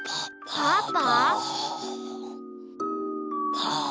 パパ。